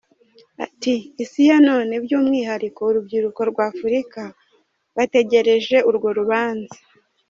Ati “Isi ya none by’umwihariko urubyiruko rw’Afurika, bategereje urwo rubanza.